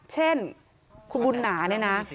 เช่นคุณบุญหนาเนี่ยนะ